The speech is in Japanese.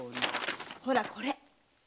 ほらこれ。